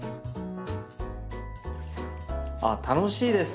あっ楽しいです。